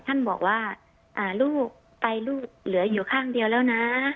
ท่านบอกว่าลูกไปลูกเหลืออยู่ข้างเดียวแล้วนะ